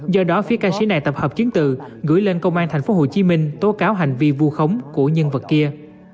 do đó phía ca sĩ này tập hợp chiến tự gửi lên công an tp hcm tố cáo hành vi vô khống của nhân vật kia